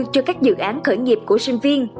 cho các dự án khởi nghiệp của sinh viên